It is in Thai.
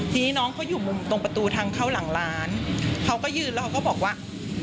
ทีนี้น้องเขาอยู่มุมตรงประตูทางเข้าหลังร้านเขาก็ยืนแล้วเขาก็บอกว่า